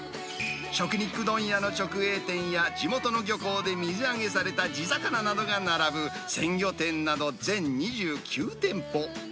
食肉問屋の直営店や、地元の漁港で水揚げされた地魚などが並ぶ鮮魚店など全２９店舗。